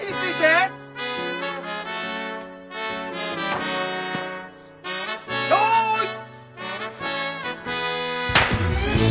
よい。